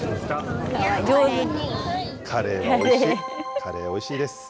カレー、おいしいです。